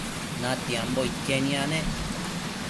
natia iquen yanec